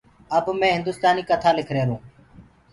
اب مي هندُستآنيٚ ڪٿآ لک هيرو